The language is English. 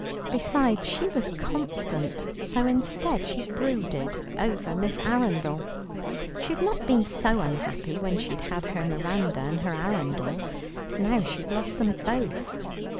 Besides she was constant, so instead, she brooded over Miss Arundel. She had not been so unhappy, when she had her Miranda and her Arundel. Now she had lost them both.